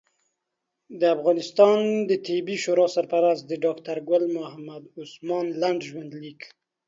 د افغانستان طبي شورا سرپرست ډاکټر ګل محمد عثمان لنډ ژوند لیک